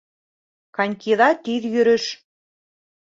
Конькиҙа тиҙ йөрөш